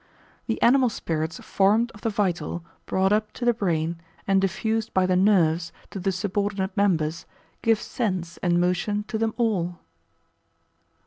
The animal spirits formed of the vital, brought up to the brain, and diffused by the nerves, to the subordinate members, give sense and motion to them all.